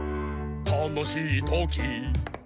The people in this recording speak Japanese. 「たのしいとき」